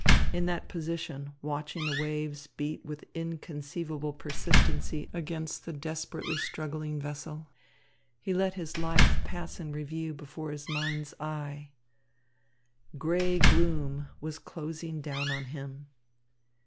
In that position, watching the waves beat with inconceivable persistency against the desperately struggling vessel, he let his life pass in review before his mind's eye. Grey gloom was closing down on him.